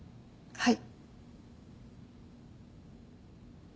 はい。